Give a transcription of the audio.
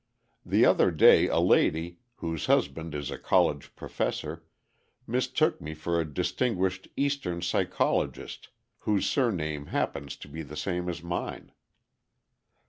The other day a lady, whose husband is a college professor, mistook me for a distinguished eastern psychologist whose surname happens to be the same as mine.